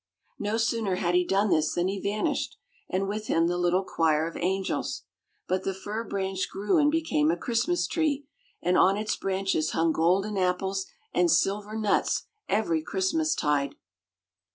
No sooner had he done this than he vanished, and with him the little choir of angels. But the fir branch grew and became a Christmas tree, and on its branches hung golden apples and silver nuts every Christmas tide.